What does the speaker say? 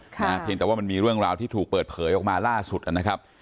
นะฮะเพียงแต่ว่ามันมีเรื่องราวที่ถูกเปิดเผยออกมาล่าสุดนะครับ